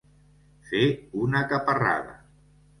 Fer una caparrada.